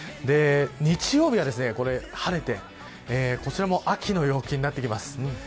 日曜日は晴れてこちらも秋の陽気になってきます。